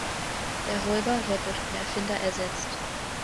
Der Räuber wird durch den Erfinder ersetzt.